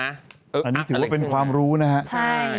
อันนี้ถือว่าเป็นความรู้นะครับ